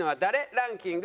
ランキング